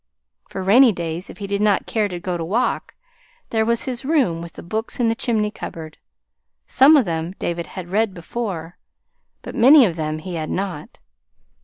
For rainy days, if he did not care to go to walk, there was his room with the books in the chimney cupboard. Some of them David had read before, but many of them he had not.